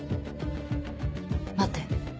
待って。